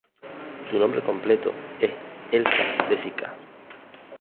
Su nombre completo es Elsa de Sica.